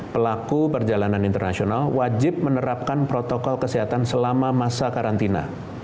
pelaku perjalanan internasional wajib menerapkan protokol kesehatan selama masa karantina